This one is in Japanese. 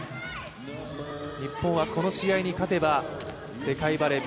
日本はこの試合に勝てば世界バレー